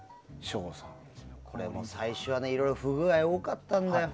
これも最初はいろいろ不具合多かったんだよ。